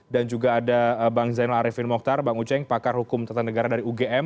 dan juga ada bang zainal arifin mokhtar pakar hukum tentang negara dari ugm